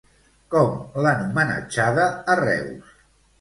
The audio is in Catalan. Com l'han homenatjada a Reus?